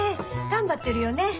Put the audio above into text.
頑張ってるよねえ。